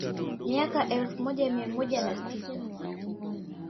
Miaka ya elfu moja mia moja na tisa